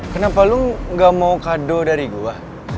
kenapa lo gak mau kado dari gue